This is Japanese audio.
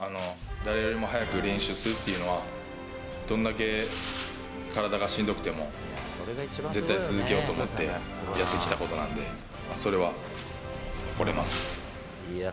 誰よりも早く練習するっていうのは、どんだけ体がしんどくても、絶対、続けようと思ってやってきたことなんで、それは誇れます。